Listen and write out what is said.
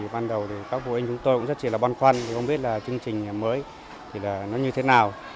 văn đầu thì các phụ huynh chúng tôi cũng rất chỉ là băn khoăn không biết là chương trình mới thì nó như thế nào